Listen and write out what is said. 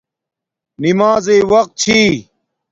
نمازݵ وقت چھی